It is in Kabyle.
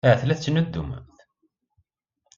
Ahat la tettnuddumemt.